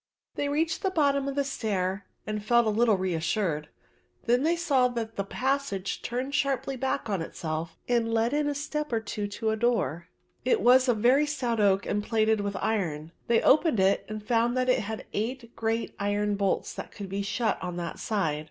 They reached the bottom of the stair and felt a little reassured. They then saw that the passage turned sharply back on itself and led in a step or two to a door. It was of very stout oak and plated with iron. They opened it and found that it had eight great iron bolts that could be shut on that side.